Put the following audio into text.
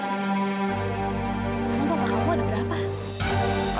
emang papa kamu ada berapa